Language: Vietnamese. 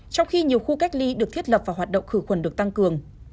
trong khi nhiều khu cách ly được thiết lập và hoạt động khử khuẩn được tăng cường